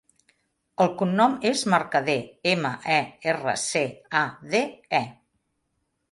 El cognom és Mercade: ema, e, erra, ce, a, de, e.